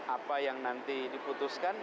apa yang nanti diputuskan